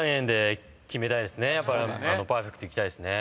パーフェクトいきたいですね。